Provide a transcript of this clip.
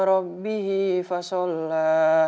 dari allah berdoa